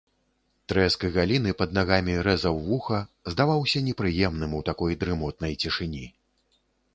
Трэск галіны пад нагамі рэзаў вуха, здаваўся непрыемным у такой дрымотнай цішыні.